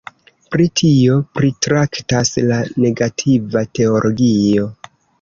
Pri tio pritraktas la negativa teologio.